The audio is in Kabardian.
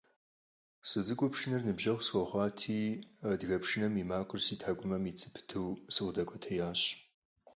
СыцӀыкӀуу пшынэр ныбжьэгъу схуэхъуати, адыгэ пшынэм и макъыр си тхьэкӀумэм ит зэпыту сыкъыдэкӀуэтеящ.